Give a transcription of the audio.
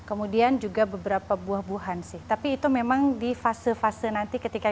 hai kemudian juga beberapa buah buahan sih tapi itu memang di fase fase nanti ketika